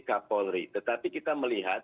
kapolri tetapi kita melihat